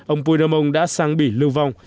ông puigdemont đã sang bỉ lưu vong